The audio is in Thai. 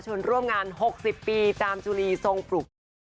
ชวนร่วมงาน๖๐ปีจามจุลีทรงปลุก